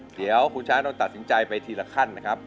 เดี๋ยวคุณช้างต้องตัดสินใจไปทีละขั้นนะครับ